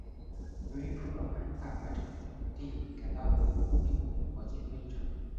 由于普门馆大馆场地改到了名古屋国际会议场。